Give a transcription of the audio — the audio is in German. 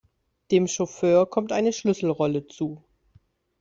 Dem Chauffeur kommt eine Schlüsselrolle zu.